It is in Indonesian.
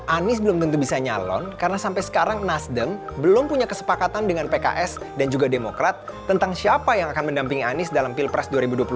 anies belum tentu bisa nyalon karena sampai sekarang nasdem belum punya kesepakatan dengan pks dan juga demokrat tentang siapa yang akan mendampingi anies dalam pilpres dua ribu dua puluh empat